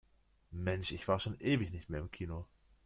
Mensch, ich war schon ewig nicht mehr im Kino.